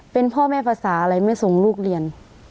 เป็นพ่อแม่ภาษาอะไรไม่ส่งลูกเรียน